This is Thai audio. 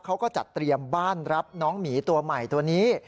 เขาก็จัดเตรียมบ้านรับน้องหมีตัวใหม่ตัวนี้